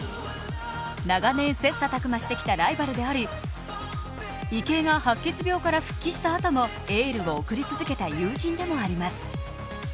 長年、切磋琢磨してきたライバルであり池江が白血病から復帰したあともエールを贈り続けた友人でもあります。